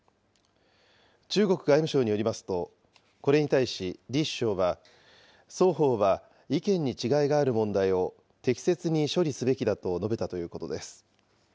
中国外務省によりますと、これに対し、李首相は双方は意見に違いがある問題を適切に処理すべきだと述べたということです。